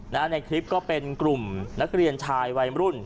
ในคลิปก็เป็นกลุ่มนักเรียนชายวัยรุ่น